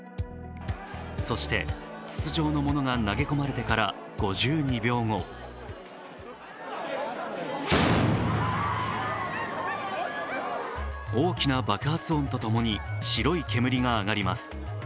そして筒状のものが投げ込まれてから５２秒後大きな爆発音とともに白い煙が上がります。